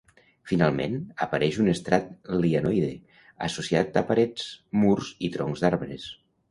Finalment, apareix un estrat lianoide, associat a parets, murs i troncs d'arbres.